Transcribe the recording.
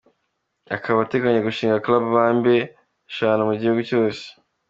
Akaba ateganya gushinga “Club Bambe” eshanu mu gihugu cyose.